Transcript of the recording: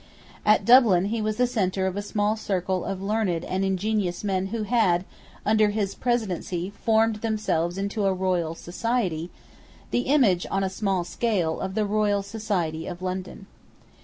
At Dublin he was the centre of a small circle of learned and ingenious men who had, under his presidency, formed themselves into a Royal Society, the image, on a small scale, of the Royal Society of London.